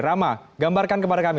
rama gambarkan kepada kami